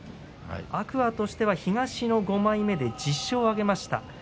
天空海としては東の５枚目で１０勝を挙げました。